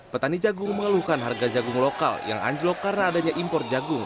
petani jagung mengeluhkan harga jagung lokal yang anjlok karena adanya impor jagung